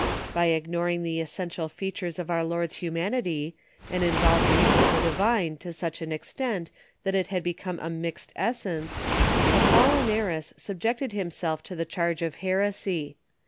By ignoring the essential features of our Lord's humanity, and involving it with the divine to such an extent that it became a mixed essence, Apollinaris subjected himself to the charge of heresy.